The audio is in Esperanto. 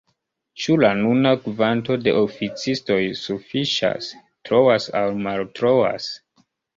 Ĉu la nuna kvanto de oficistoj sufiĉas, troas aŭ maltroas?